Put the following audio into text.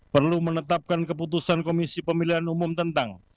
perlu menetapkan keputusan komisi pemilihan umum tentang